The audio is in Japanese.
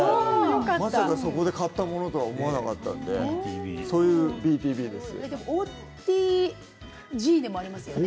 まさか、そこで買ったものとは思わなかったのでそういうＢＴＢです。